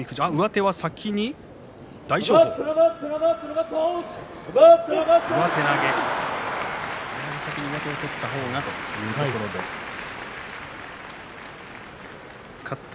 やはり先に上手を取った方がというところでした。